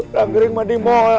nangkering di mall